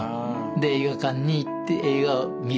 で映画館に行って映画を見る。